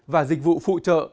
và dịch vụ phụ trợ